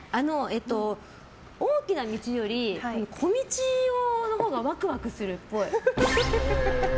大きな道より小道のほうがワクワクするっぽい。